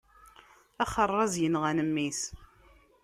Axeṛṛaz yenɣan mmi-s.